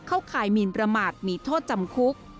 ข่ายมีนประมาทมีโทษจำคุก